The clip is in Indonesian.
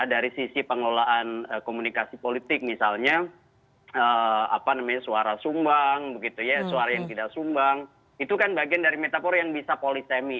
dari sisi pengelolaan komunikasi politik misalnya suara sumbang suara yang tidak sumbang itu kan bagian dari metafor yang bisa polisemi